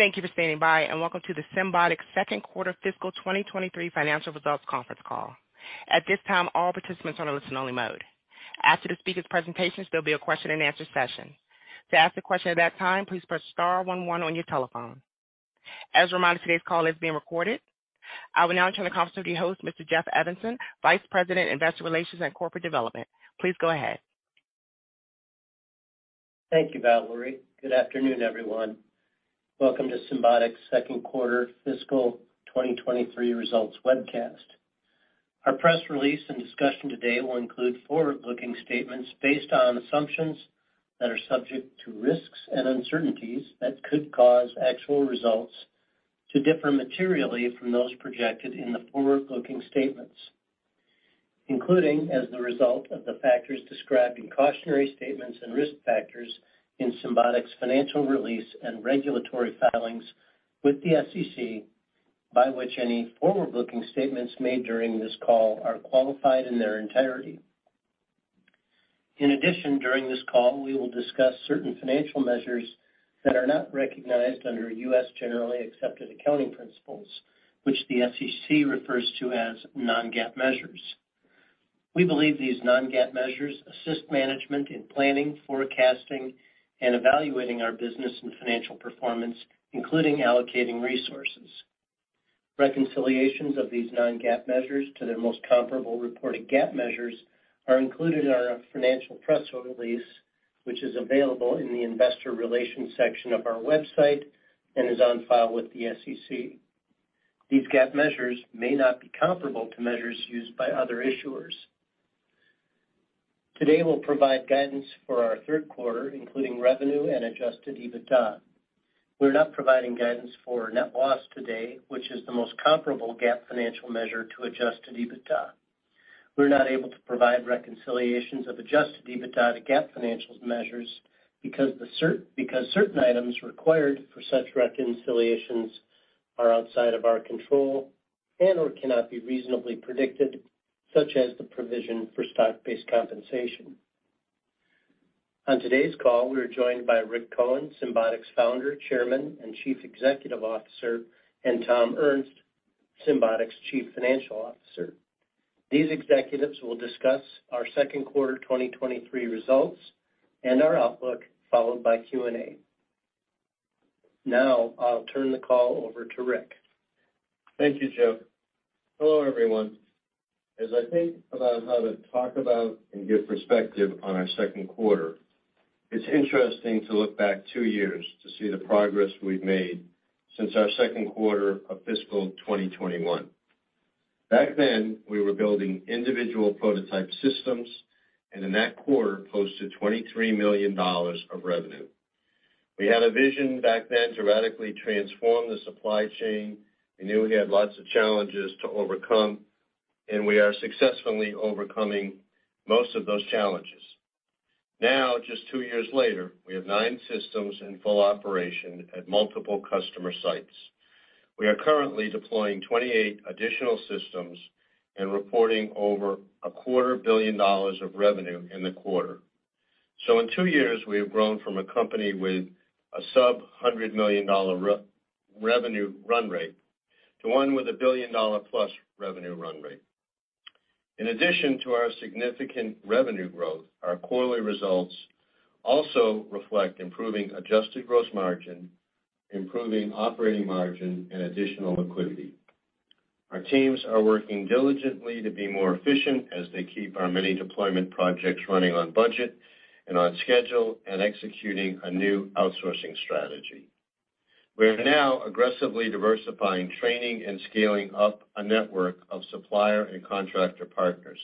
Thank you for standing by, and welcome to the Symbotic's second quarter fiscal 2023 financial results conference call. At this time, all participants are in listen-only mode. After the speaker's presentations, there'll be a question-and-answer session. To ask a question at that time, please press star one one on your telephone. As a reminder, today's call is being recorded. I will now turn the conference over to your host, Mr. Jeff Evanson, vice president, Investor Relations and Corporate Development. Please go ahead. Thank you, Valerie. Good afternoon, everyone. Welcome to Symbotic's second quarter fiscal 2023 results webcast. Our press release and discussion today will include forward-looking statements based on assumptions that are subject to risks and uncertainties that could cause actual results to differ materially from those projected in the forward-looking statements, including as the result of the factors described in cautionary statements and risk factors in Symbotic's financial release and regulatory filings with the SEC, by which any forward-looking statements made during this call are qualified in their entirety. In addition, during this call, we will discuss certain financial measures that are not recognized under US generally accepted accounting principles, which the SEC refers to as non-GAAP measures. We believe these non-GAAP measures assist management in planning, forecasting, and evaluating our business and financial performance, including allocating resources. Reconciliations of these non-GAAP measures to their most comparable reported GAAP measures are included in our financial press release, which is available in the investor relations section of our website and is on file with the SEC. These GAAP measures may not be comparable to measures used by other issuers. Today, we'll provide guidance for our third quarter, including revenue and adjusted EBITDA. We're not providing guidance for net loss today, which is the most comparable GAAP financial measure to adjusted EBITDA. We're not able to provide reconciliations of adjusted EBITDA to GAAP financial measures because certain items required for such reconciliations are outside of our control and/or cannot be reasonably predicted, such as the provision for stock-based compensation. On today's call, we are joined by Rick Cohen, Symbotic's Founder, Chairman, and Chief Executive Officer, and Tom Ernst, Symbotic's Chief Financial Officer. These executives will discuss our second quarter 2023 results and our outlook, followed by Q&A. Now, I'll turn the call over to Rick. Thank you, Jeff. Hello, everyone. As I think about how to talk about and give perspective on our second quarter, it's interesting to look back two years to see the progress we've made since our second quarter of fiscal 2021. Back then, we were building individual prototype systems, and in that quarter, posted $23 million of revenue. We had a vision back then to radically transform the supply chain. We knew we had lots of challenges to overcome, and we are successfully overcoming most of those challenges. Now, just two years later, we have nine systems in full operation at multiple customer sites. We are currently deploying 28 additional systems and reporting over a quarter billion dollars of revenue in the quarter. In two years, we have grown from a company with a sub-$100 million re-revenue run rate to one with a billion-dollar-plus revenue run rate. In addition to our significant revenue growth, our quarterly results also reflect improving adjusted gross margin, improving operating margin, and additional liquidity. Our teams are working diligently to be more efficient as they keep our many deployment projects running on budget and on schedule and executing a new outsourcing strategy. We are now aggressively diversifying training and scaling up a network of supplier and contractor partners.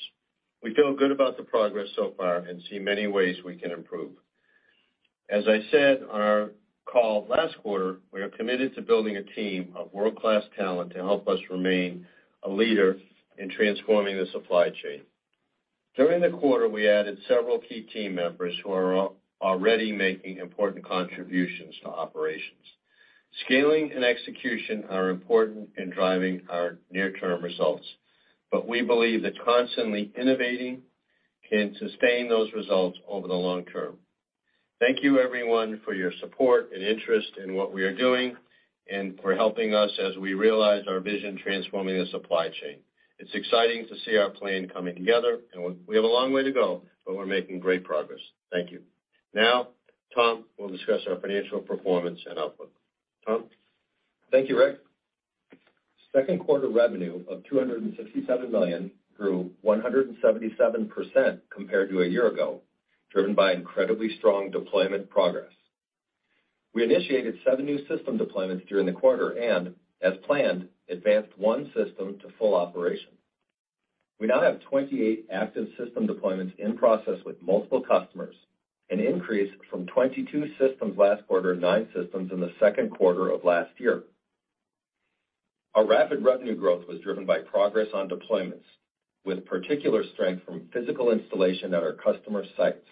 We feel good about the progress so far and see many ways we can improve. As I said on our call last quarter, we are committed to building a team of world-class talent to help us remain a leader in transforming the supply chain. During the quarter, we added several key team members who are already making important contributions to operations. Scaling and execution are important in driving our near-term results, but we believe that constantly innovating can sustain those results over the long term. Thank you everyone for your support and interest in what we are doing and for helping us as we realize our vision transforming the supply chain. It's exciting to see our plan coming together, and we have a long way to go, but we're making great progress. Thank you. Now, Tom will discuss our financial performance and outlook. Tom? Thank you, Rick. Second quarter revenue of $267 million grew 177% compared to a year ago, driven by incredibly strong deployment progress. We initiated 7 new system deployments during the quarter and, as planned, advanced 1 system to full operation. We now have 28 active system deployments in process with multiple customers, an increase from 22 systems last quarter, 9 systems in the second quarter of last year. Our rapid revenue growth was driven by progress on deployments, with particular strength from physical installation at our customer sites.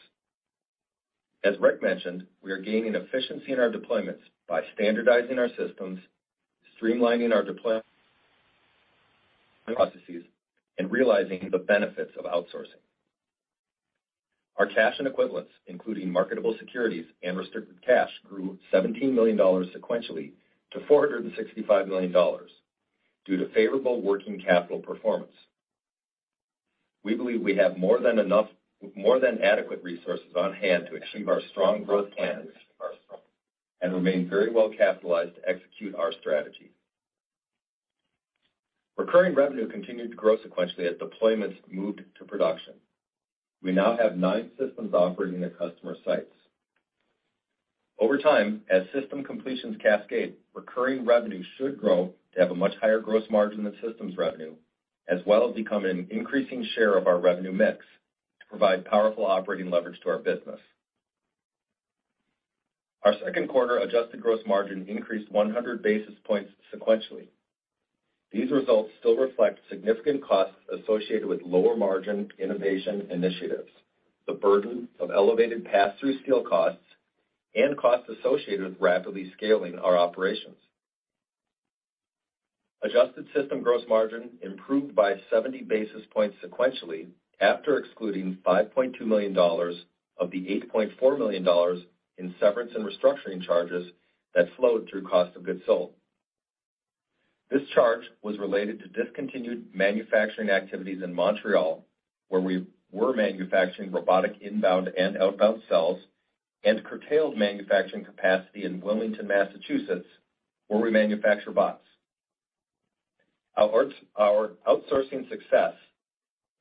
As Rick mentioned, we are gaining efficiency in our deployments by standardizing our systems, streamlining our deploy processes, and realizing the benefits of outsourcing. Our cash and equivalents, including marketable securities and restricted cash, grew $17 million sequentially to $465 million due to favorable working capital performance. We believe we have more than adequate resources on hand to achieve our strong growth plans and remain very well capitalized to execute our strategy. Recurring revenue continued to grow sequentially as deployments moved to production. We now have nine systems operating at customer sites. Over time, as system completions cascade, recurring revenue should grow to have a much higher gross margin than systems revenue, as well as become an increasing share of our revenue mix to provide powerful operating leverage to our business. Our second quarter adjusted gross margin increased 100 basis points sequentially. These results still reflect significant costs associated with lower margin innovation initiatives, the burden of elevated pass-through steel costs, and costs associated with rapidly scaling our operations. Adjusted system gross margin improved by 70 basis points sequentially after excluding $5.2 million of the $8.4 million in severance and restructuring charges that flowed through cost of goods sold. This charge was related to discontinued manufacturing activities in Montreal, where we were manufacturing robotic inbound and outbound cells, and curtailed manufacturing capacity in Wilmington, Massachusetts, where we manufacture bots. Our outsourcing success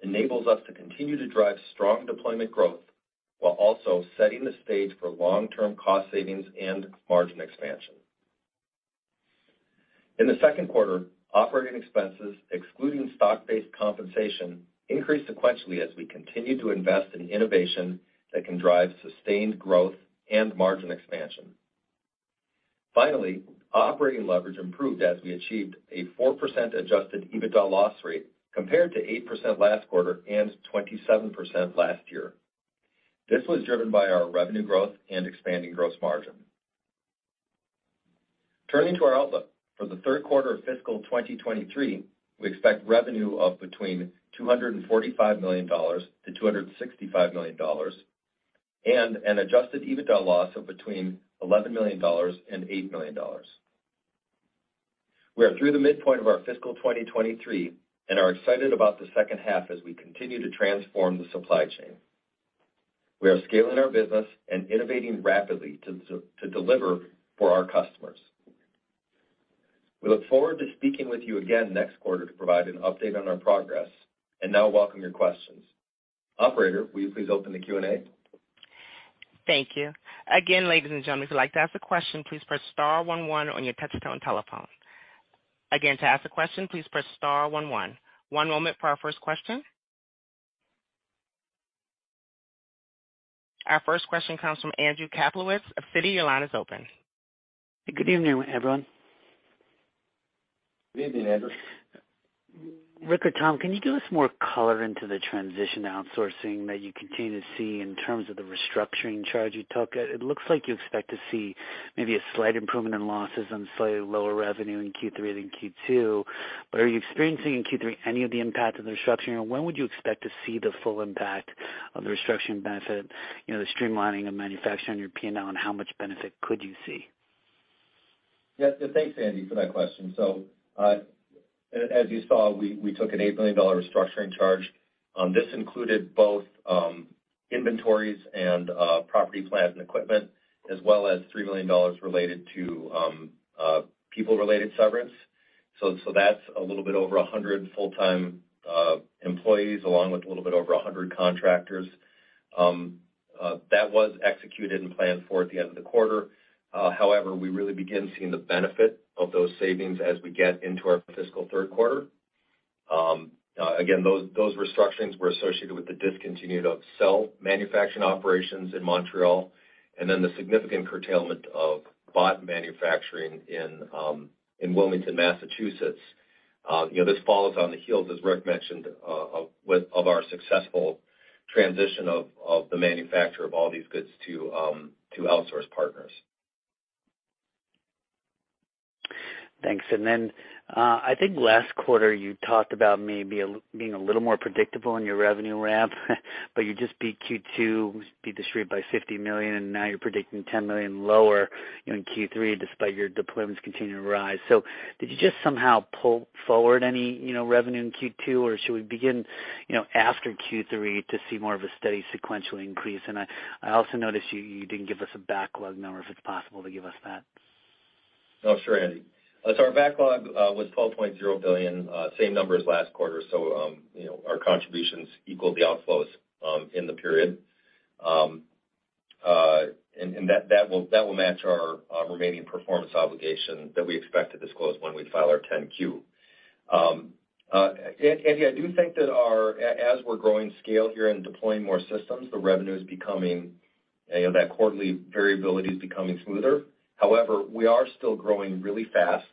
enables us to continue to drive strong deployment growth while also setting the stage for long-term cost savings and margin expansion. In the second quarter, operating expenses, excluding stock-based compensation, increased sequentially as we continued to invest in innovation that can drive sustained growth and margin expansion. Operating leverage improved as we achieved a 4% adjusted EBITDA loss rate compared to 8% last quarter and 27% last year. This was driven by our revenue growth and expanding gross margin. Turning to our outlook. For the third quarter of fiscal 2023, we expect revenue of between $245 million-$265 million and an adjusted EBITDA loss of between $11 million and $8 million. We are through the midpoint of our fiscal 2023 and are excited about the second half as we continue to transform the supply chain. We are scaling our business and innovating rapidly to deliver for our customers. We look forward to speaking with you again next quarter to provide an update on our progress. Now welcome your questions. Operator, will you please open the Q&A? Thank you. Again, ladies and gentlemen, if you'd like to ask a question, please press star one one on your touch-tone telephone. Again, to ask a question, please press star one one. One moment for our first question. Our first question comes from Andrew Kaplowitz of Citi. Your line is open. Good evening, everyone. Good evening, Andrew. Rick or Tom, can you give us more color into the transition to outsourcing that you continue to see in terms of the restructuring charge you took? It looks like you expect to see maybe a slight improvement in losses on slightly lower revenue in Q3 than Q2. Are you experiencing in Q3 any of the impact of the restructuring, and when would you expect to see the full impact of the restructuring benefit, you know, the streamlining of manufacturing on your P&L, and how much benefit could you see? Yes. Thanks, Andy, for that question. As you saw, we took an $8 million restructuring charge. This included both inventories and property, plant, and equipment, as well as $3 million related to people-related severance. That's a little bit over 100 full-time employees, along with a little bit over 100 contractors. That was executed and planned for at the end of the quarter. However, we really begin seeing the benefit of those savings as we get into our fiscal third quarter. Again, those restructurings were associated with the discontinue of cell manufacturing operations in Montreal and then the significant curtailment of bot manufacturing in Wilmington, Massachusetts. You know, this follows on the heels, as Rick mentioned, of our successful transition of the manufacture of all these goods to outsource partners. Thanks. I think last quarter, you talked about maybe being a little more predictable in your revenue ramp, but you just beat Q2, beat the street by $50 million, and now you're predicting $10 million lower, you know, in Q3 despite your deployments continuing to rise. Did you just somehow pull forward any, you know, revenue in Q2, or should we begin, you know, after Q3 to see more of a steady sequential increase? I also noticed you didn't give us a backlog number, if it's possible to give us that. Sure, Andy. Our backlog was $12.0 billion, same number as last quarter. You know, our contributions equaled the outflows in the period. And that will match our remaining performance obligation that we expect to disclose when we file our 10-Q. Andy, I do think that as we're growing scale here and deploying more systems, the revenue is becoming, you know, that quarterly variability is becoming smoother. However, we are still growing really fast,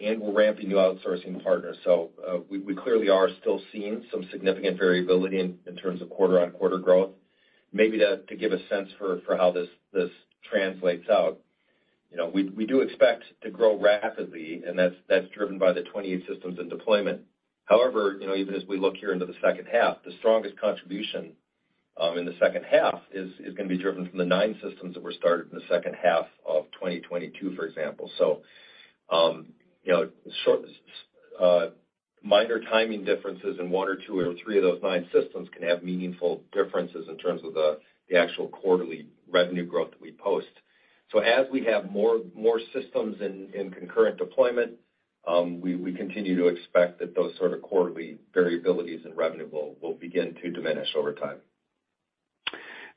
and we're ramping new outsourcing partners. We clearly are still seeing some significant variability in terms of quarter-on-quarter growth. Maybe to give a sense for how this translates out. You know, we do expect to grow rapidly, and that's driven by the 28 systems in deployment. you know, even as we look here into the second half, the strongest contribution in the second half is gonna be driven from the 9 systems that were started in the second half of 2022, for example. you know, minor timing differences in 1 or 2 or 3 of those 9 systems can have meaningful differences in terms of the actual quarterly revenue growth that we post. As we have more systems in concurrent deployment, we continue to expect that those sort of quarterly variabilities in revenue will begin to diminish over time.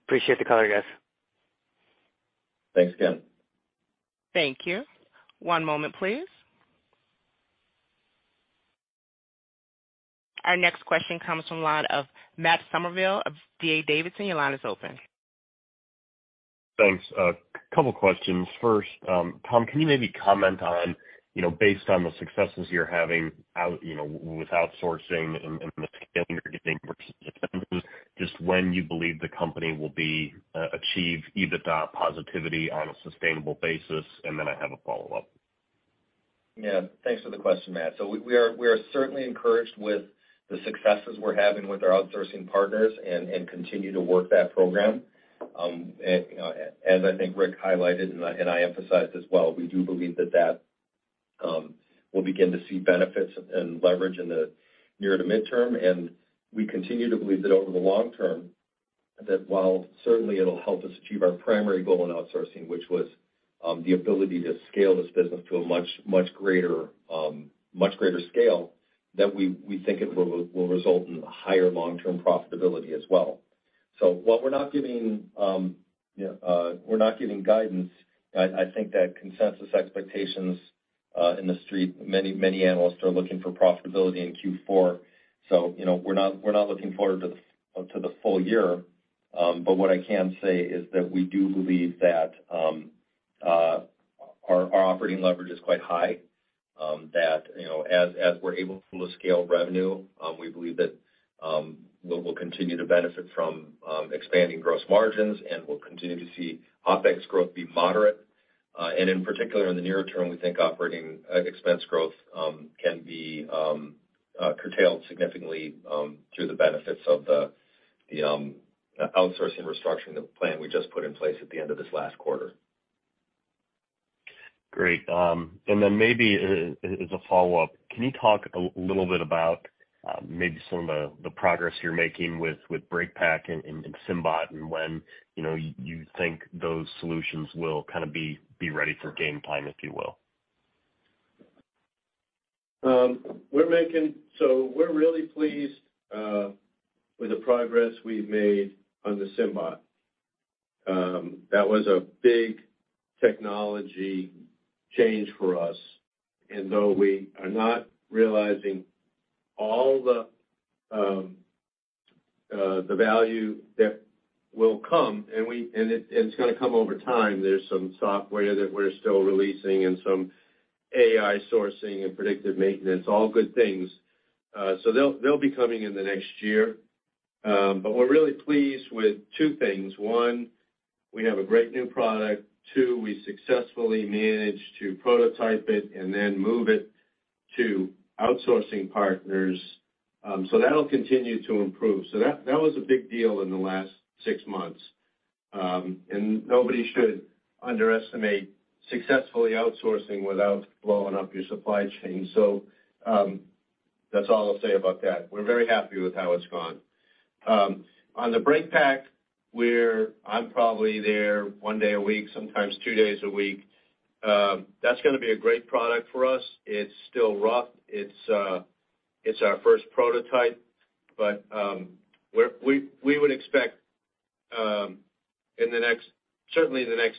Appreciate the color, guys. Thanks again. Thank you. One moment, please. Our next question comes from the line of Matt Summerville of D.A. Davidson. Your line is open. Thanks. A couple questions. First, Tom, can you maybe comment on, you know, based on the successes you're having out, you know, with outsourcing and the scale you're getting versus the trends, just when you believe the company achieve EBITDA positivity on a sustainable basis? I have a follow-up. Thanks for the question, Matt. We are certainly encouraged with the successes we're having with our outsourcing partners and continue to work that program. You know, as I think Rick highlighted and I emphasized as well, we do believe that we'll begin to see benefits and leverage in the near to midterm. We continue to believe that over the long term that while certainly it'll help us achieve our primary goal in outsourcing, which was the ability to scale this business to a much greater scale, that we think it will result in higher long-term profitability as well. While we're not giving, you know, we're not giving guidance, I think that consensus expectations in the street, many analysts are looking for profitability in Q4. You know, we're not looking forward to the full year. But what I can say is that we do believe that our operating leverage is quite high, that, you know, as we're able to scale revenue, we believe that we will continue to benefit from expanding gross margins, and we'll continue to see OpEx growth be moderate. And in particular, in the near term, we think operating expense growth can be curtailed significantly through the benefits of the outsourcing restructuring plan we just put in place at the end of this last quarter. Great. Maybe as a follow-up, can you talk a little bit about, maybe some of the progress you're making with BreakPack and SymBot and when, you know, you think those solutions will kind of be ready for game time, if you will? We're really pleased with the progress we've made on the SymBot. That was a big technology change for us. Though we are not realizing all the value that will come and it's gonna come over time. There's some software that we're still releasing and some AI sourcing and predictive maintenance, all good things. They'll be coming in the next year. We're really pleased with 2 things. One, we have a great new product. Two, we successfully managed to prototype it and then move it to outsourcing partners. That'll continue to improve. That was a big deal in the last 6 months. Nobody should underestimate successfully outsourcing without blowing up your supply chain. That's all I'll say about that. We're very happy with how it's gone. On the BreakPack, I'm probably there one day a week, sometimes two days a week. That's gonna be a great product for us. It's still rough. It's our first prototype, but we would expect, certainly in the next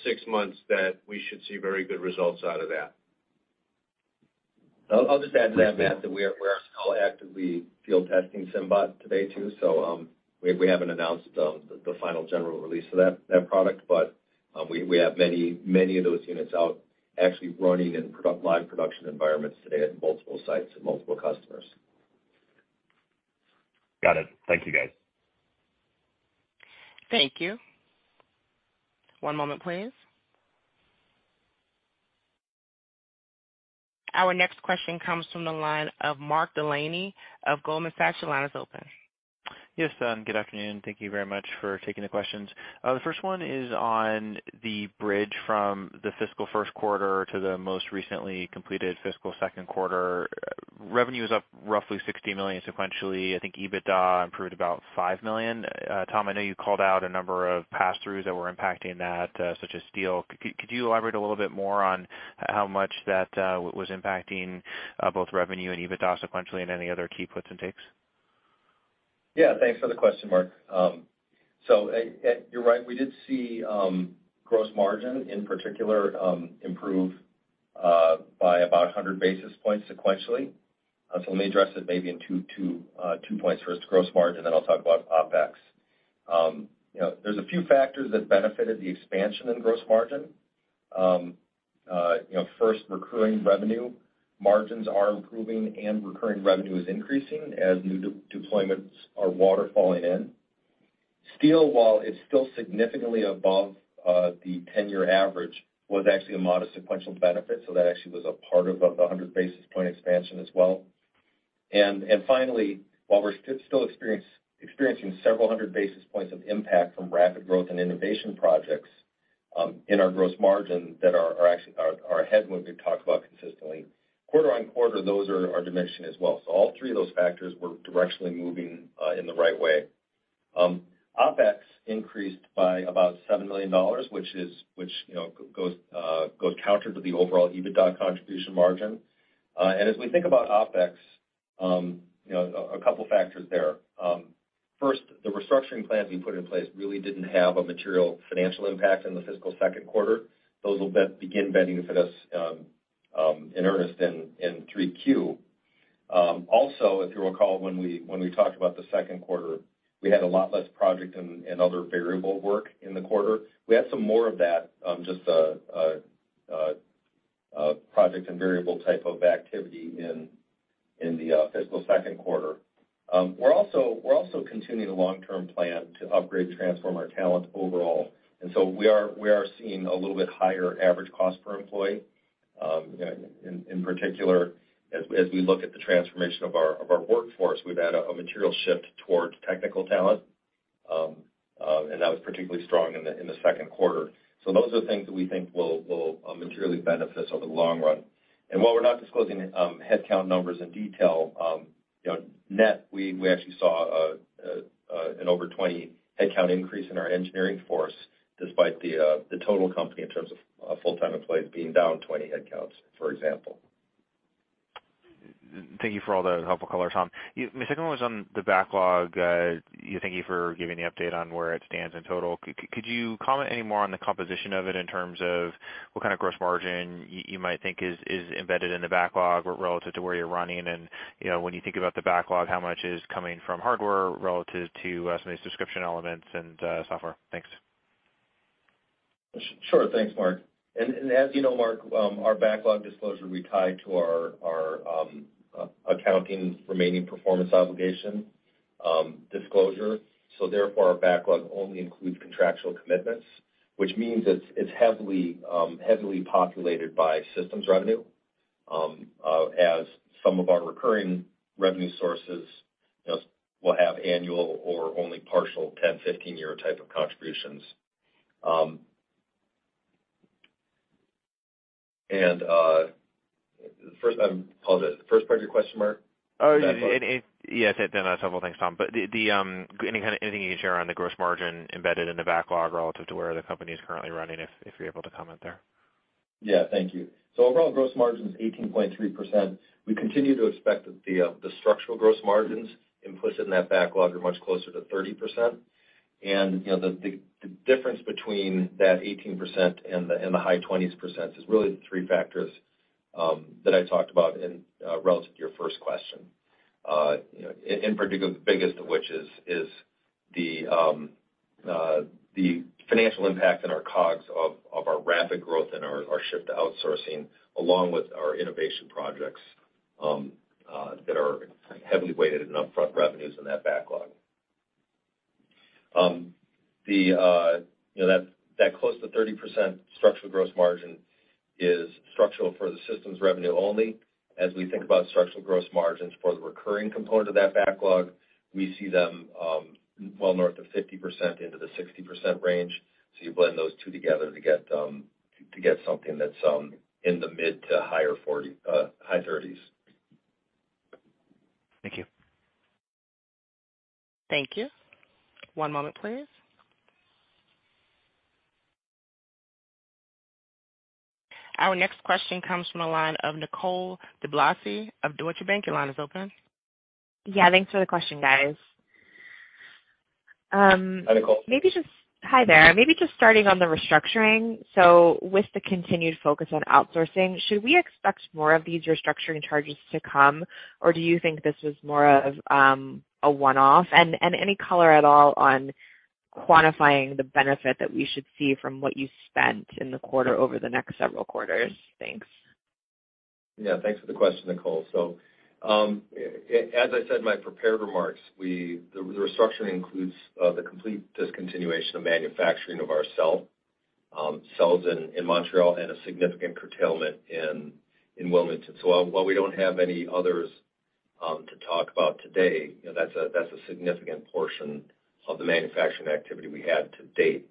six months that we should see very good results out of that. I'll just add to that, Matt, that we are still actively field testing SymBot today too. We haven't announced the final general release of that product, but we have many, many of those units out actually running in live production environments today at multiple sites and multiple customers. Got it. Thank you, guys. Thank you. One moment, please. Our next question comes from the line of Mark Delaney of Goldman Sachs. Your line is open. Yes, good afternoon. Thank you very much for taking the questions. The first one is on the bridge from the fiscal first quarter to the most recently completed fiscal second quarter. Revenue is up roughly $60 million sequentially. I think EBITDA improved about $5 million. Tom, I know you called out a number of pass-throughs that were impacting that, such as steel. Could you elaborate a little bit more on how much that was impacting both revenue and EBITDA sequentially and any other key puts and takes? Yeah. Thanks for the question, Mark. You're right. We did see gross margin in particular improve by about 100 basis points sequentially. Let me address it maybe in 2 points. First, gross margin, then I'll talk about OpEx. You know, there's a few factors that benefited the expansion in gross margin. You know, first, recurring revenue margins are improving and recurring revenue is increasing as new deployments are waterfalling in, steel, while it's still significantly above the 10-year average, was actually a modest sequential benefit, so that actually was a part of the 100 basis point expansion as well. Finally, while we're still experiencing several hundred basis points of impact from rapid growth and innovation projects, in our gross margin that are actually our headwind we talk about consistently, quarter-on-quarter, those are diminishing as well. All three of those factors were directionally moving in the right way. OpEx increased by about $7 million, which, you know, goes counter to the overall EBITDA contribution margin. As we think about OpEx, you know, a couple factors there. First, the restructuring plan we put in place really didn't have a material financial impact in the fiscal second quarter. Those will begin vending for us in earnest in 3Q. Also, if you'll recall, when we talked about the second quarter, we had a lot less project and other variable work in the quarter. We had some more of that, just project and variable type of activity in the fiscal second quarter. We're also continuing a long-term plan to upgrade, transform our talent overall. So we are seeing a little bit higher average cost per employee. In particular, as we look at the transformation of our workforce, we've had a material shift towards technical talent, and that was particularly strong in the second quarter. So those are things that we think will materially benefit us over the long run. While we're not disclosing, headcount numbers in detail, you know, net, we actually saw an over 20 headcount increase in our engineering force despite the total company in terms of full-time employees being down 20 headcounts, for example. Thank you for all the helpful color, Tom. My second one was on the backlog. Thank you for giving the update on where it stands in total. Could you comment any more on the composition of it in terms of what kind of gross margin you might think is embedded in the backlog relative to where you're running? You know, when you think about the backlog, how much is coming from hardware relative to some of these subscription elements and software? Thanks. Sure. Thanks, Mark. As you know, Mark, our backlog disclosure, we tie to our accounting remaining performance obligation disclosure. Therefore, our backlog only includes contractual commitments, which means it's heavily populated by systems revenue, as some of our recurring revenue sources, you know, will have annual or only partial 10, 15-year type of contributions. First time. Pause it. First part of your question, Mark? Oh, yeah. Backlog. Yes. That's helpful. Thanks, Tom. The anything you can share on the gross margin embedded in the backlog relative to where the company is currently running, if you're able to comment there. Yeah. Thank you. Overall gross margin is 18.3%. We continue to expect that the structural gross margins implicit in that backlog are much closer to 30%. You know, the difference between that 18% and the high 20s% is really the 3 factors that I talked about relative to your first question. You know, in particular, the biggest of which is the financial impact in our COGS of our rapid growth and our shift to outsourcing, along with our innovation projects that are heavily weighted in upfront revenues in that backlog. You know, that close to 30% structural gross margin is structural for the systems revenue only. As we think about structural gross margins for the recurring component of that backlog, we see them, well north of 50% into the 60% range. You blend those two together to get, to get something that's, in the high 30s. Thank you. Thank you. One moment, please. Our next question comes from the line of Nicole DeBlase of Deutsche Bank. Your line is open. Yeah, thanks for the question, guys. Hi, Nicole. Hi there. Maybe just starting on the restructuring. With the continued focus on outsourcing, should we expect more of these restructuring charges to come, or do you think this was more of a one-off? Any color at all on quantifying the benefit that we should see from what you spent in the quarter over the next several quarters? Thanks. Yeah. Thanks for the question, Nicole. As I said in my prepared remarks, the restructuring includes the complete discontinuation of manufacturing of ourself, selves in Montreal and a significant curtailment in Wilmington. While we don't have any others to talk about today, you know, that's a significant portion of the manufacturing activity we had to date.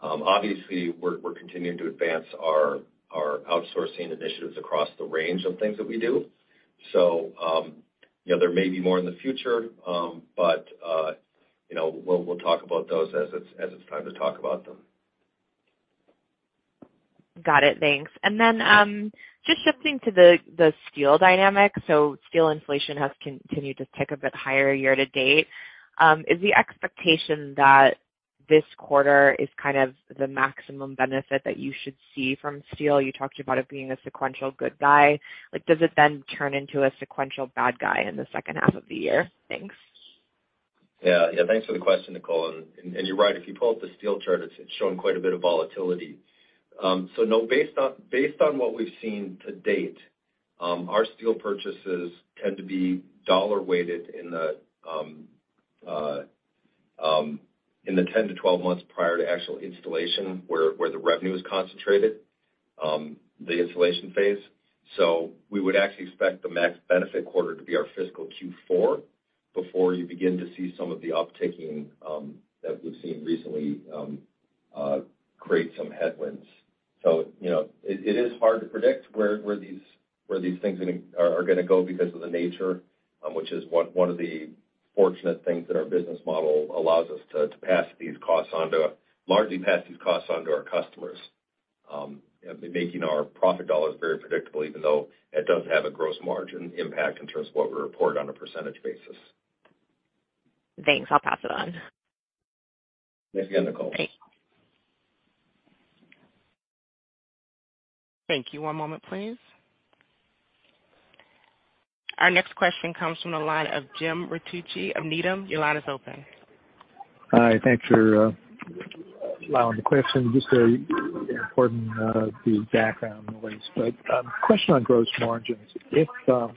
Obviously, we're continuing to advance our outsourcing initiatives across the range of things that we do. You know, there may be more in the future, but, you know, we'll talk about those as it's time to talk about them. Got it. Thanks. Just shifting to the steel dynamic. Steel inflation has continued to tick a bit higher year to date. Is the expectation that this quarter is kind of the maximum benefit that you should see from steel? You talked about it being a sequential good guy. Like, does it then turn into a sequential bad guy in the second half of the year? Thanks. Yeah. Yeah, thanks for the question, Nicole. You're right. If you pull up the steel chart, it's shown quite a bit of volatility. No. Based on what we've seen to date, our steel purchases tend to be dollar weighted in the 10 to 12 months prior to actual installation where the revenue is concentrated, the installation phase. We would actually expect the max benefit quarter to be our fiscal Q4 before you begin to see some of the uptaking that we've seen recently create some headwinds. You know, it is hard to predict where these things are gonna go because of the nature, which is one of the fortunate things that our business model allows us to pass these costs on to... Largely pass these costs on to our customers, making our profit dollars very predictable, even though it does have a gross margin impact in terms of what we report on a percentage basis. Thanks. I'll pass it on. Thanks again, Nicole. Thanks. Thank you. One moment, please. Our next question comes from the line of Jim Ricchiuti of Needham. Your line is open. Hi. Thanks for allowing the question. Just a important the background noise. Question on gross margins, if it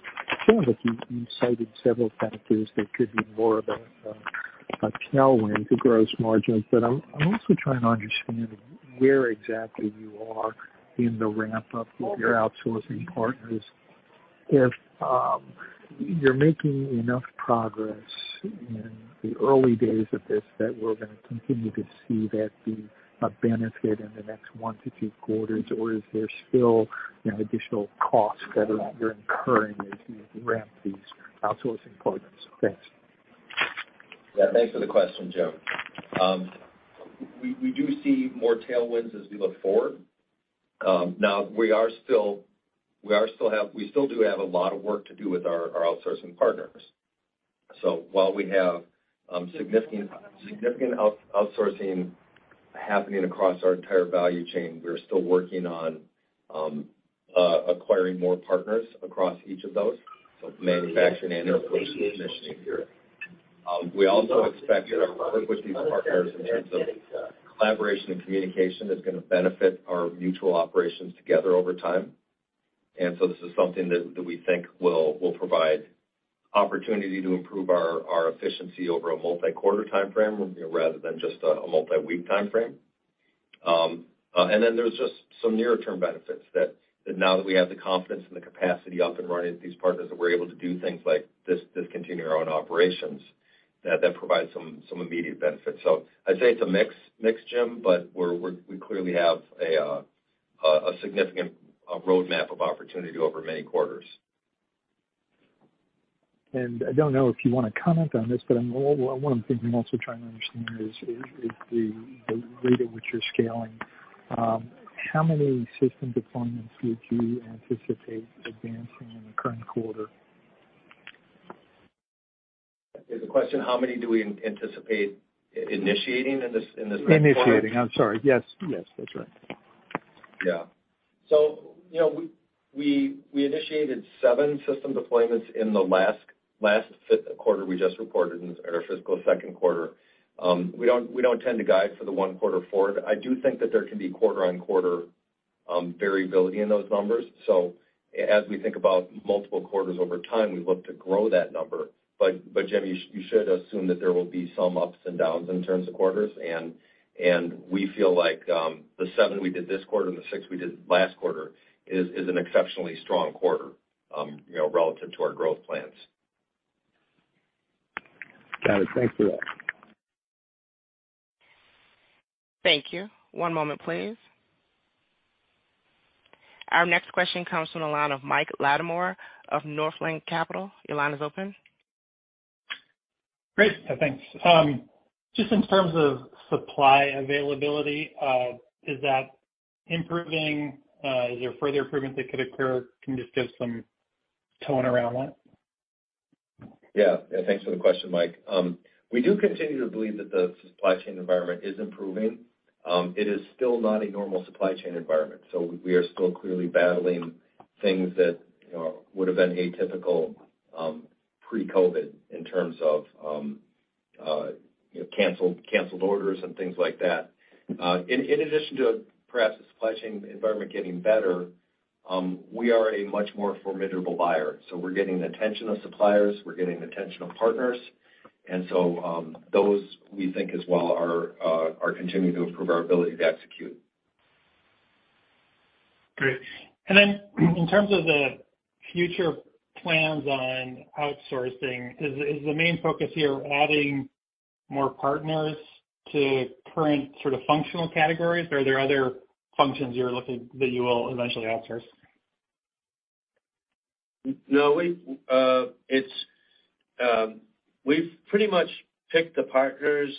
sounds like you cited several factors that could be more of a tailwind to gross margins. I'm also trying to understand where exactly you are in the ramp-up with your outsourcing partners. If you're making enough progress in the early days of this that we're gonna continue to see that be a benefit in the next 1-2 quarters or is there still, you know, additional costs you're incurring as you ramp these outsourcing partners? Thanks. Yeah, thanks for the question, Jim. We, we do see more tailwinds as we look forward. Now we still do have a lot of work to do with our outsourcing partners. While we have significant outsourcing happening across our entire value chain, we're still working on acquiring more partners across each of those, so manufacturing and approach to commissioning. We also expect that our work with these partners in terms of collaboration and communication is gonna benefit our mutual operations together over time. This is something that we think will provide opportunity to improve our efficiency over a multi-quarter timeframe, you know, rather than just a multi-week timeframe. There's just some nearer term benefits that now that we have the confidence and the capacity up and running with these partners, that we're able to do things like discontinue our own operations, that provide some immediate benefits. I'd say it's a mix, Jim, but we're clearly have a significant roadmap of opportunity over many quarters. I don't know if you wanna comment on this, but, what I'm thinking, I'm also trying to understand is the rate at which you're scaling. How many system deployments would you anticipate advancing in the current quarter? Is the question how many do we anticipate initiating in this, in this current quarter? Initiating. I'm sorry. Yes. Yes, that's right. Yeah. You know, we initiated seven system deployments in the last quarter we just reported in our fiscal second quarter. We don't tend to guide for the one quarter forward. I do think that there can be quarter-on-quarter variability in those numbers. As we think about multiple quarters over time, we look to grow that number. Jim, you should assume that there will be some ups and downs in terms of quarters. We feel like the seven we did this quarter and the six we did last quarter is an exceptionally strong quarter, you know, relative to our growth plans. Got it. Thanks for that. Thank you. One moment, please. Our next question comes from the line of Mike Latimore of Northland Capital. Your line is open. Great. Thanks. Just in terms of supply availability, is that improving? Is there further improvements that could occur? Can you just give some tone around that? Yeah. Yeah, thanks for the question, Mike. We do continue to believe that the supply chain environment is improving. It is still not a normal supply chain environment, we are still clearly battling things that, you know, would have been atypical, pre-COVID in terms of, you know, canceled orders and things like that. In addition to perhaps the supply chain environment getting better, we are a much more formidable buyer. We're getting the attention of suppliers, we're getting the attention of partners, those, we think as well are continuing to improve our ability to execute. Great. In terms of the future plans on outsourcing, is the main focus here adding more partners to current sort of functional categories, or are there other functions you're looking that you will eventually outsource? No. We've pretty much picked the partners.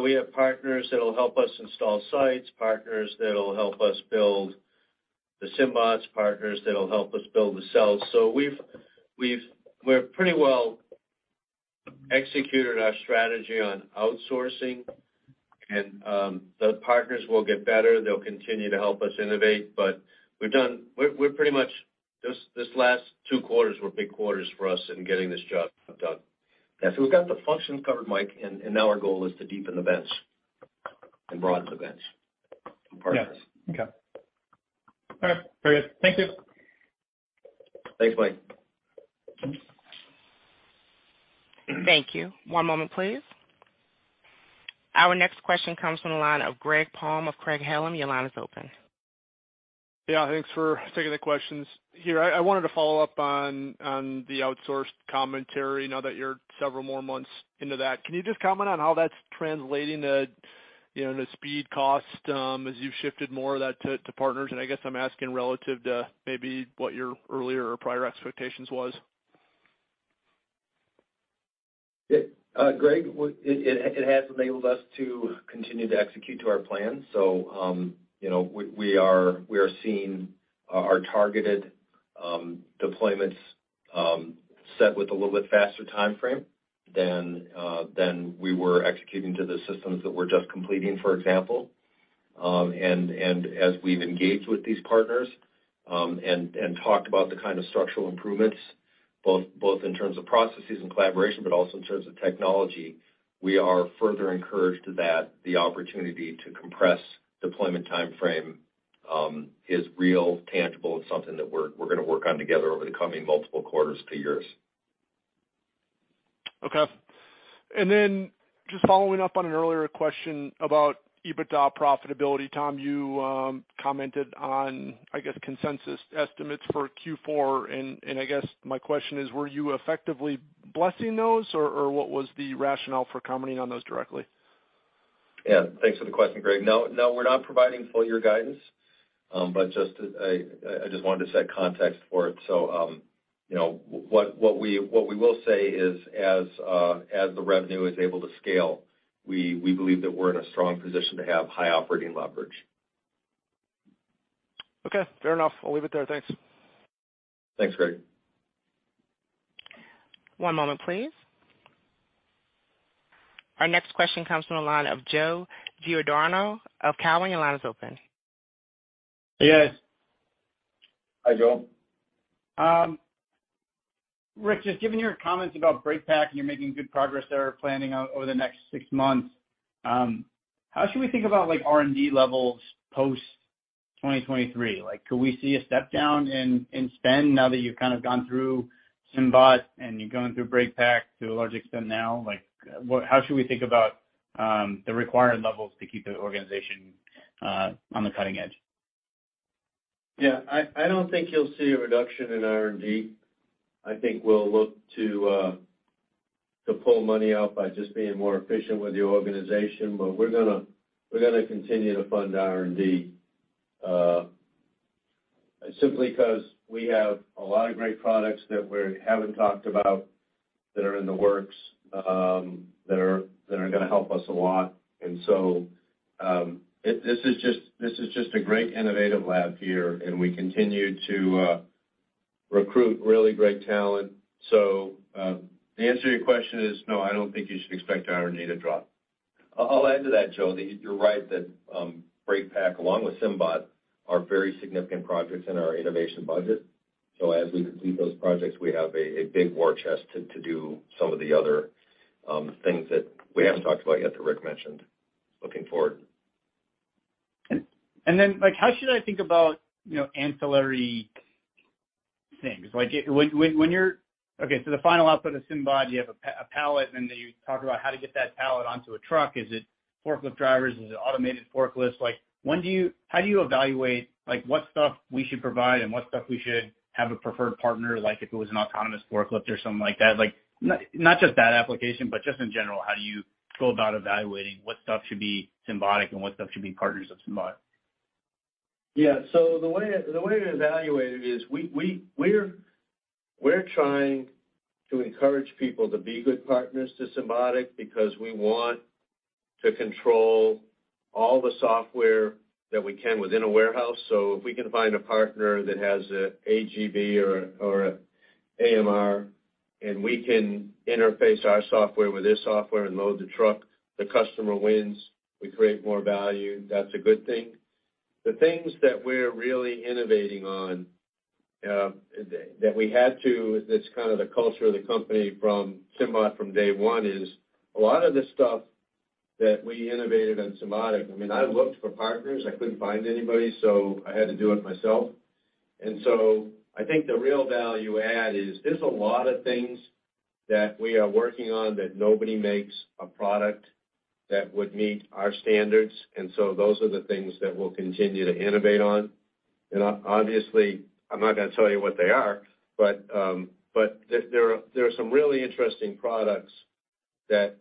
We have partners that'll help us install sites, partners that'll help us build the SymBots, partners that'll help us build the cells. We're pretty well executed our strategy on outsourcing, and the partners will get better. They'll continue to help us innovate, but we're pretty much this last 2 quarters were big quarters for us in getting this job done. Yeah. We've got the functions covered, Mike, and now our goal is to deepen the bench. Broadens the bench and partners. Yeah. Okay. All right. Very good. Thank you. Thanks, Mike. Thank you. One moment, please. Our next question comes from the line of Greg Palm of Craig-Hallum. Your line is open. Yeah, thanks for taking the questions. Here, I wanted to follow up on the outsourced commentary now that you're several more months into that. Can you just comment on how that's translating to, you know, the speed cost, as you've shifted more of that to partners? I guess I'm asking relative to maybe what your earlier or prior expectations was. Yeah. Greg, it has enabled us to continue to execute to our plan. you know, we are seeing our targeted deployments set with a little bit faster timeframe than we were executing to the systems that we're just completing, for example. As we've engaged with these partners, and talked about the kind of structural improvements, both in terms of processes and collaboration, but also in terms of technology, we are further encouraged that the opportunity to compress deployment timeframe is real tangible and something that we're gonna work on together over the coming multiple quarters to years. Okay. Just following up on an earlier question about EBITDA profitability. Tom, you commented on, I guess, consensus estimates for Q4. I guess my question is, were you effectively blessing those, or what was the rationale for commenting on those directly? Yeah. Thanks for the question, Greg. No, we're not providing full year guidance, I just wanted to set context for it. You know, what we will say is as the revenue is able to scale, we believe that we're in a strong position to have high operating leverage. Okay. Fair enough. I'll leave it there. Thanks. Thanks, Greg. One moment, please. Our next question comes from the line of Joe Giordano of Cowen. Your line is open. Hey, guys. Hi, Joe. Rick, just given your comments about BreakPack and you're making good progress there planning out over the next 6 months, how should we think about like R&D levels post-2023? Like, could we see a step down in spend now that you've kind of gone through SymBot and you're going through BreakPack to a large extent now? How should we think about the required levels to keep the organization on the cutting edge? Yeah. I don't think you'll see a reduction in R&D. I think we'll look to pull money out by just being more efficient with the organization. We're gonna continue to fund R&D simply 'cause we have a lot of great products that we haven't talked about that are in the works that are gonna help us a lot. This is just a great innovative lab here, and we continue to recruit really great talent. The answer to your question is no, I don't think you should expect our R&D to drop. I'll add to that, Joe, that you're right that BreakPack, along with SymBot, are very significant projects in our innovation budget. As we complete those projects, we have a big war chest to do some of the other things that we haven't talked about yet that Rick mentioned looking forward. Then like how should I think about, you know, ancillary things? Like when you're... Okay, so the final output of SymBot, you have a pallet, and then you talk about how to get that pallet onto a truck. Is it forklift drivers? Is it automated forklifts? Like how do you evaluate like what stuff we should provide and what stuff we should have a preferred partner, like if it was an autonomous forklift or something like that? Like not just that application, but just in general, how do you go about evaluating what stuff should be Symbotic and what stuff should be partners of SymBot? The way to evaluate it is we're trying to encourage people to be good partners to Symbotic because we want to control all the software that we can within a warehouse. If we can find a partner that has an AGV or an AMR, and we can interface our software with their software and load the truck, the customer wins, we create more value. That's a good thing. The things that we're really innovating on, that we had to, that's kind of the culture of the company from SymBot from day one is, a lot of the stuff that we innovated on Symbotic, I mean, I looked for partners, I couldn't find anybody, so I had to do it myself. I think the real value add is there's a lot of things that we are working on that nobody makes a product that would meet our standards, and so those are the things that we'll continue to innovate on. Obviously, I'm not gonna tell you what they are, but there are some really interesting products that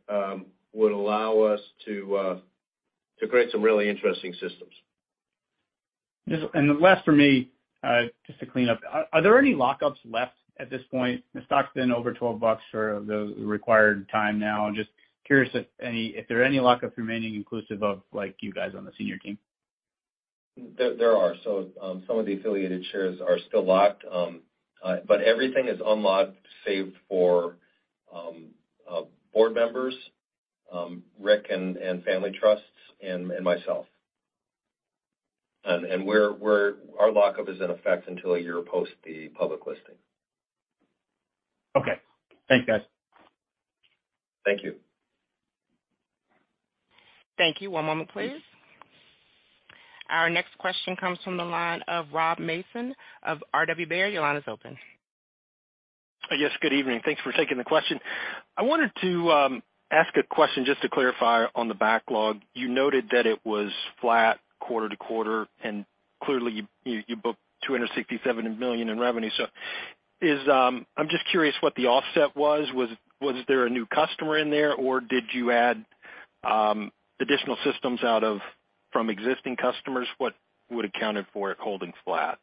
would allow us to create some really interesting systems. The last for me, just to clean up. Are there any lockups left at this point? The stock's been over $12 for the required time now. I'm just curious if any, if there are any lockups remaining inclusive of like you guys on the senior team. There are. Some of the affiliated shares are still locked. Everything is unlocked, saved for board members, Rick, family trusts, and myself. Our lock-up is in effect until a year post the public listing. Okay. Thanks, guys. Thank you. Thank you. One moment, please. Our next question comes from the line of Rob Mason of RW Baird. Your line is open. Yes, good evening. Thanks for taking the question. I wanted to ask a question just to clarify on the backlog. You noted that it was flat quarter-to-quarter, and clearly you booked $267 million in revenue. Is, I'm just curious what the offset was. Was there a new customer in there, or did you add additional systems out of, from existing customers? What would accounted for it holding flat?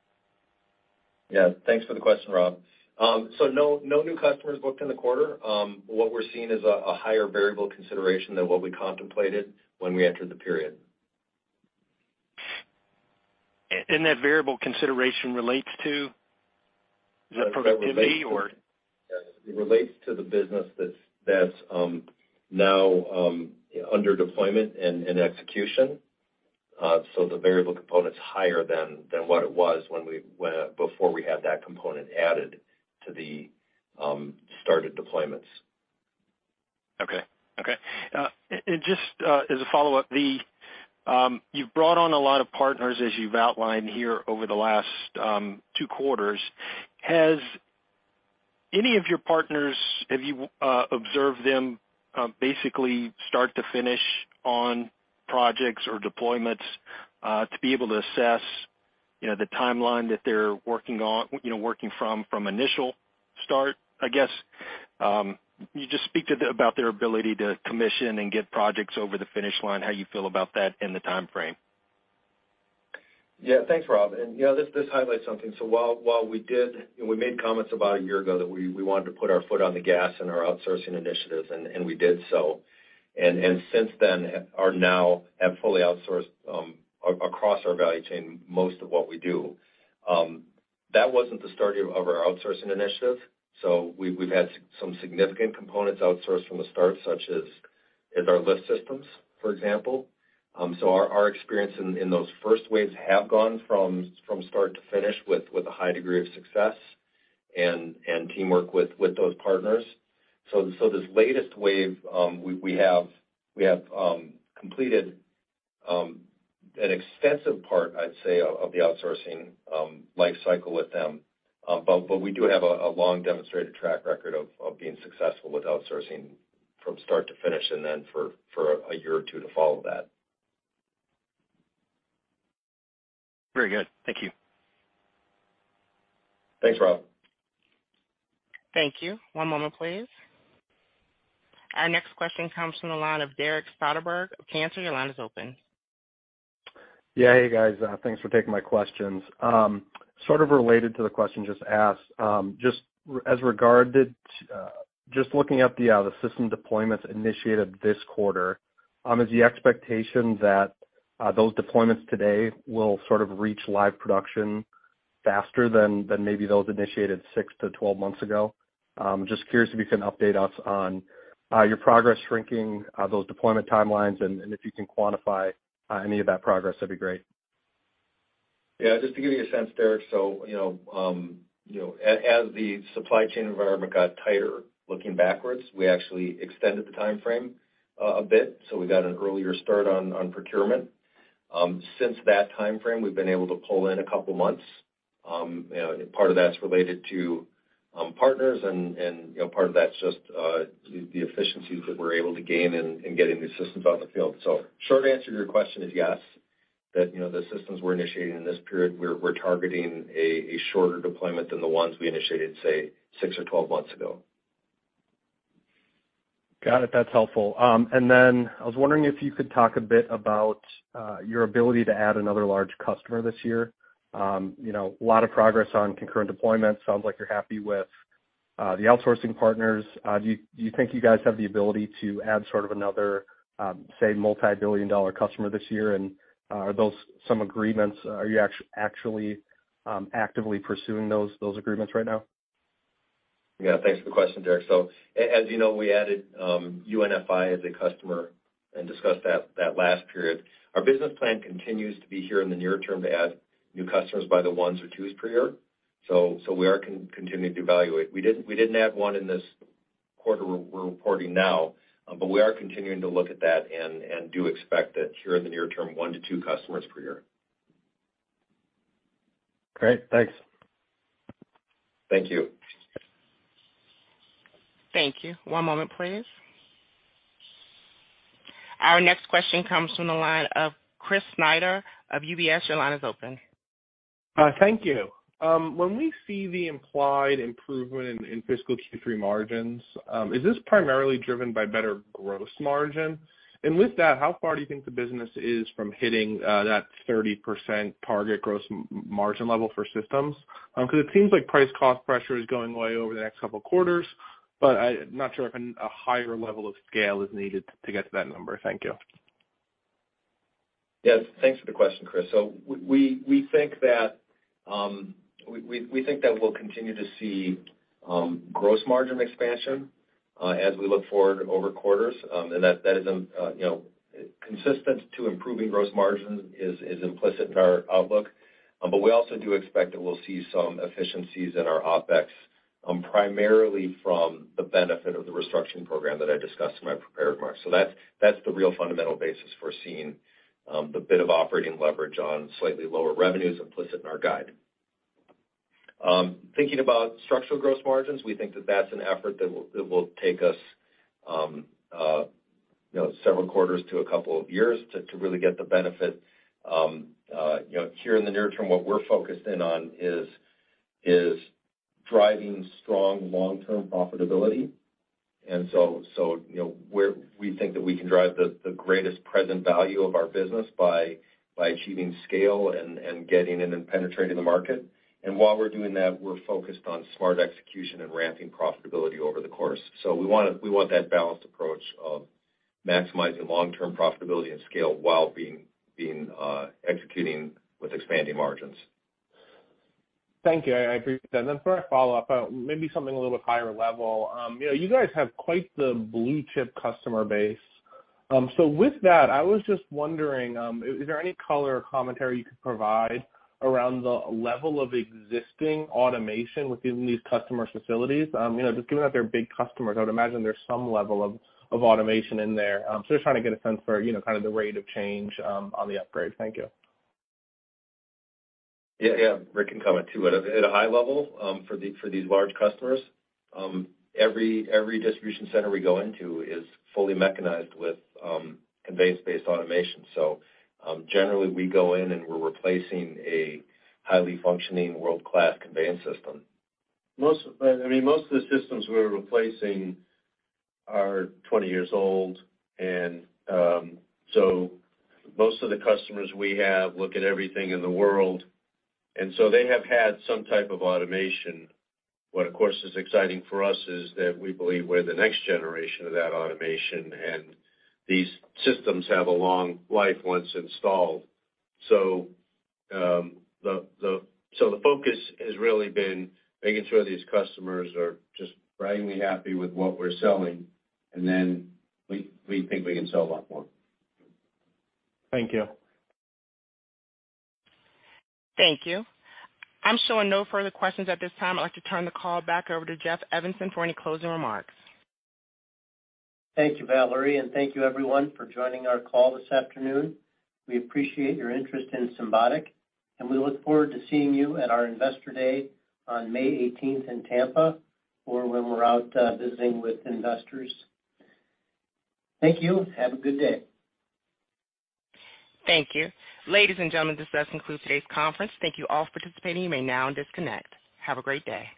Yeah. Thanks for the question, Rob. No, no new customers booked in the quarter. What we're seeing is a higher variable consideration than what we contemplated when we entered the period. That variable consideration relates to? Is it profitability or- It relates to the business that's now under deployment and execution. The variable component's higher than what it was before we had that component added to the started deployments. Okay. Okay. Just as a follow-up, the, you've brought on a lot of partners, as you've outlined here over the last, two quarters. Has any of your partners, have you observed them, basically start to finish on projects or deployments, to be able to assess, you know, the timeline that they're working on, you know, working from initial start, I guess? Can you just speak about their ability to commission and get projects over the finish line, how you feel about that and the timeframe? Yeah. Thanks, Rob. You know, this highlights something. While we did and we made comments about a year ago that we wanted to put our foot on the gas in our outsourcing initiatives, and we did so. And since then, are now have fully outsourced across our value chain, most of what we do. That wasn't the start of our outsourcing initiative. We've had some significant components outsourced from the start, such as our lift systems, for example. Our experience in those first waves have gone from start to finish with a high degree of success and teamwork with those partners. This latest wave, we have completed an extensive part, I'd say of the outsourcing life cycle with them. We do have a long demonstrated track record of being successful with outsourcing from start to finish and then for a year or two to follow that. Very good. Thank you. Thanks, Rob. Thank you. One moment, please. Our next question comes from the line of Derek Soderberg. You can answer, your line is open. Yeah. Hey, guys. Thanks for taking my questions. Sort of related to the question just asked, just looking at the system deployments initiated this quarter, is the expectation that those deployments today will sort of reach live production faster than maybe those initiated 6 to 12 months ago? Just curious if you can update us on your progress shrinking those deployment timelines, and if you can quantify any of that progress, that'd be great. Yeah, just to give you a sense, Derek. You know, you know, as the supply chain environment got tighter looking backwards, we actually extended the timeframe a bit, so we got an earlier start on procurement. Since that timeframe, we've been able to pull in 2 months. Part of that's related to partners and you know, part of that's just the efficiencies that we're able to gain in getting new systems out in the field. Short answer to your question is, yes, that you know, the systems we're initiating in this period, we're targeting a shorter deployment than the ones we initiated, say 6 or 12 months ago. Got it. That's helpful. I was wondering if you could talk a bit about your ability to add another large customer this year. You know, a lot of progress on concurrent deployments. Sounds like you're happy with the outsourcing partners. Do you think you guys have the ability to add sort of another, say, multi-billion dollar customer this year? Are those some agreements? Are you actually actively pursuing those agreements right now? Yeah. Thanks for the question, Derek. As you know, we added UNFI as a customer and discussed that last period. Our business plan continues to be here in the near term to add new customers by the ones or twos per year. We are continuing to evaluate. We didn't add one in this quarter we're reporting now, but we are continuing to look at that and do expect that here in the near term, one to two customers per year. Great. Thanks. Thank you. Thank you. One moment, please. Our next question comes from the line of Chris Snyder of UBS. Your line is open. Thank you. When we see the implied improvement in fiscal Q3 margins, is this primarily driven by better gross margin? With that, how far do you think the business is from hitting that 30% target gross margin level for systems? It seems like price cost pressure is going away over the next couple quarters, but I'm not sure if a higher level of scale is needed to get to that number. Thank you. Yes. Thanks for the question, Chris. We think that we'll continue to see gross margin expansion as we look forward over quarters, and that is, you know, consistent to improving gross margin is implicit in our outlook. We also do expect that we'll see some efficiencies in our OpEx, primarily from the benefit of the restructuring program that I discussed in my prepared remarks. That's, that's the real fundamental basis for seeing the bit of operating leverage on slightly lower revenues implicit in our guide. Thinking about structural gross margins, we think that that's an effort that will take us, you know, several quarters to a couple of years to really get the benefit. You know, here in the near term, what we're focused in on is driving strong long-term profitability. You know, we think that we can drive the greatest present value of our business by achieving scale and getting in and penetrating the market. While we're doing that, we're focused on smart execution and ramping profitability over the course. We want that balanced approach of maximizing long-term profitability and scale while being executing with expanding margins. Thank you. I appreciate that. For a follow-up, maybe something a little bit higher level. You know, you guys have quite the blue chip customer base. With that, I was just wondering, is there any color or commentary you could provide around the level of existing automation within these customers' facilities? You know, just given that they're big customers, I would imagine there's some level of automation in there. Just trying to get a sense for, you know, kind of the rate of change, on the upgrade. Thank you. Yeah. Rick can comment too. At a high level, for these large customers, every distribution center we go into is fully mechanized with conveyance-based automation. Generally, we go in, and we're replacing a highly functioning world-class conveyance system. Most of the, I mean, most of the systems we're replacing are 20 years old, and so most of the customers we have look at everything in the world, and so they have had some type of automation. What, of course, is exciting for us is that we believe we're the next generation of that automation, and these systems have a long life once installed. The focus has really been making sure these customers are just braggingly happy with what we're selling, and then we think we can sell a lot more. Thank you. Thank you. I'm showing no further questions at this time. I'd like to turn the call back over to Jeff Evanson for any closing remarks. Thank you, Valerie, and thank you everyone for joining our call this afternoon. We appreciate your interest in Symbotic, and we look forward to seeing you at our Investor Day on May 18th in Tampa or when we're out visiting with investors. Thank you. Have a good day. Thank you. Ladies and gentlemen, this does conclude today's conference. Thank you all for participating. You may now disconnect. Have a great day.